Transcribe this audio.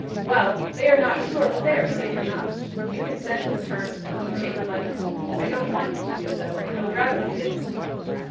'Well! They are not sure, but they are safe enough. Do you consent to the terms, and will you take the money? I don't want you to do so. I would rather you didn't.